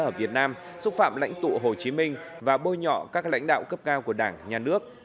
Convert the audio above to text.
ở việt nam xúc phạm lãnh tụ hồ chí minh và bôi nhọ các lãnh đạo cấp cao của đảng nhà nước